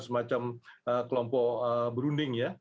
semacam kelompok berunding